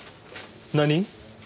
何？